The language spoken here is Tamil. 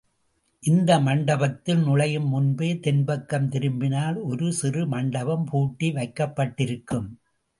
இந்த மண்டபத்தில் நுழையும் முன்பே, தென்பக்கம் திரும்பினால், ஒரு சிறு மண்டபம் பூட்டி வைக்கப் பட்டிருக்கும்.